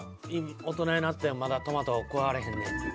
大人になってもまだトマト食われへんねんっていう。